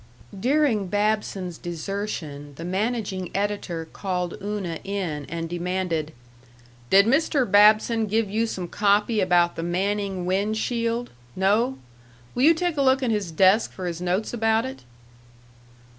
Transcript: During Babson's desertion the managing editor called Una in and demanded, "Did Mr. Babson give you some copy about the Manning Wind Shield? No? Will you take a look in his desk for his notes about it?"